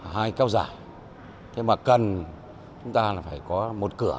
hai cao giải thế mà cần chúng ta phải có một cửa